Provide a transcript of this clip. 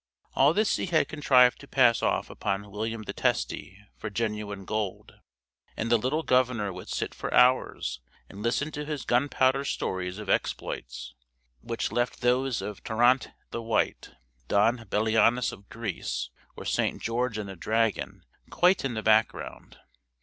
All this he had contrived to pass off upon William the Testy for genuine gold; and the little governor would sit for hours and listen to his gunpowder stories of exploits, which left those of Tirante the White, Don Belianis of Greece, or St. George and the Dragon, quite in the background.